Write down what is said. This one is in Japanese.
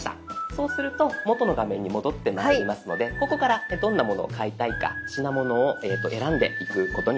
そうすると元の画面に戻ってまいりますのでここからどんなものを買いたいか品物を選んでいくことになります。